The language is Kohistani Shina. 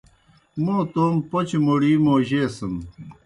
موں تومہ پوْچہ موڑِی موجیسِن۔